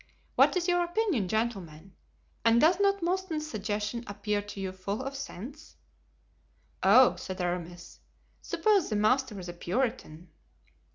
What is your opinion, gentlemen, and does not M. Mouston's suggestion appear to you full of sense?" "Oh!" said Aramis, "suppose the master is a Puritan?"